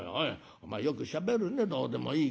お前よくしゃべるねどうでもいいけど。